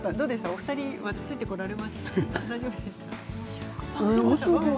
お二人ついてこられましたか。